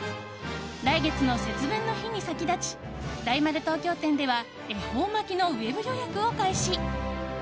来月の節分の日に先立ち大丸東京店では恵方巻きのウェブ予約を開始。